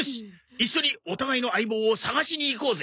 一緒にお互いの相棒を捜しに行こうぜ！